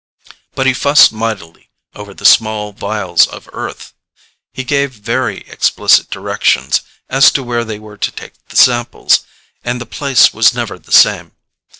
But he fussed mightily over the small vials of Earth. He gave very explicit directions as to where they were to take the samples, and the place was never the same.